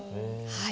はい。